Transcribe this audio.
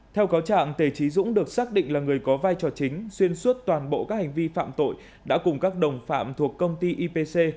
theo cáo trạng tề trí dũng được xác định là người có vai trò chính xuyên suốt toàn bộ các hành vi phạm tội đã cùng các đồng phạm thuộc công ty ipc